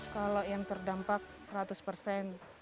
kalau yang terdampak seratus persen